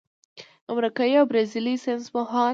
امریکايي او برازیلي ساینسپوهانو